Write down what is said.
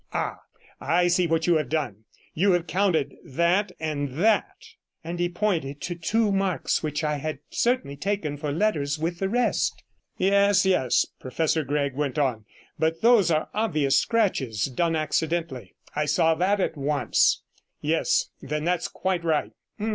Ah, I see what you have done, you have counted that and that,' and he pointed to two marks which I had certainly taken for letters with the rest. 'Yes, yes,' Professor Gregg went on, 'but those are obvious scratches, done accidentally; I saw that at once. Yes, then that's quite right.